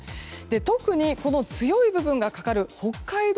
特に強い部分がかかる北海道